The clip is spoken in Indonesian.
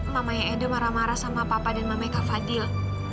mama edo marah marah sama papa dan mama kak fadil